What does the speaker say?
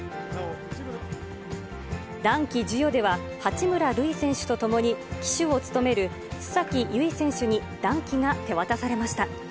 団旗授与では、八村塁選手と共に旗手を務める須崎優衣選手に団旗が手渡されました。